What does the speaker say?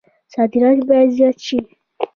صادرات باید زیات شي